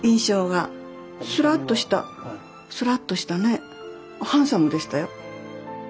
スラッとしたスラッとしたねハンサムでしたよ。